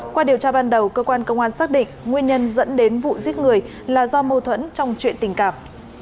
qua điều tra ban đầu cơ quan công an xác định nguyên nhân dẫn đến vụ giết người là do mâu thuẫn trong chuyện tình cảm